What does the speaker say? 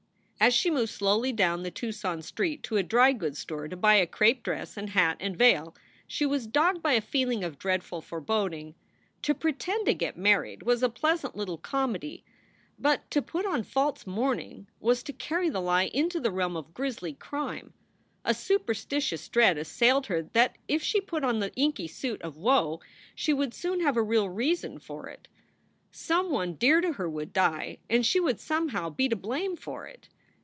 As she moved slowly down the Tucson street to a dry goods store to buy a crape dress and hat and veil, she was dogged by a feeling of dreadful foreboding. To pretend to get married was a pleasant little comedy, but to put on false mourning was to carry the lie into the realm of grisly crime. A superstitious dread assailed her that if she put on the inky suit of woe she would soon have a real reason for it. Some one dear to her would die, and she would somehow be to blame for it.